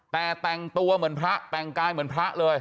แต่แต่งตัวเหมือนพระแต่งกายเหมือนพระเลย